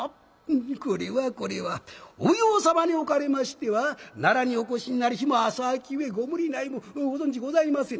「これはこれはお奉行様におかれましては奈良にお越しになり日も浅きゆえご無理ないもご存じございませぬ。